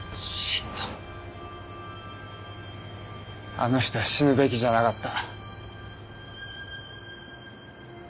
あの人は死ぬべきじゃなかった。